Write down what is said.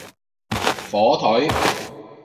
火腿